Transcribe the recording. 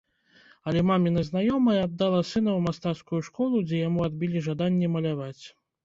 Але маміна знаёмая аддала сына ў мастацкую школу, дзе яму адбілі жаданне маляваць.